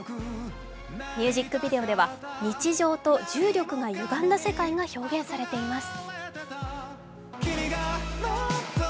ミュージックビデオでは日常と重力が歪んだ世界を表現しています。